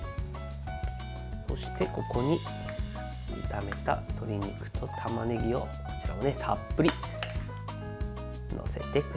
そして、ここに炒めた鶏肉とたまねぎをたっぷり載せてください。